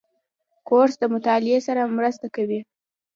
کورس د مطالعې سره مرسته کوي.